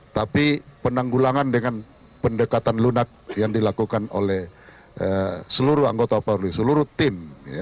tapi penanggulangan dengan pendekatan lunak yang dilakukan oleh seluruh anggota polri seluruh tim